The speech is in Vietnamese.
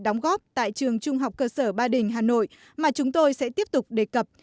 đóng góp tại trường trung học cơ sở ba đình hà nội mà chúng tôi sẽ tiếp tục đề cập